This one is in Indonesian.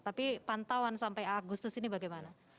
kapan sampai agustus ini bagaimana